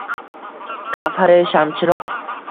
Gavhari shamchiroq